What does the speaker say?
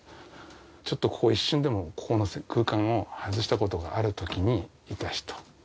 ちょっとここ一瞬でも、ここの空間を外したことがあるときにいた人。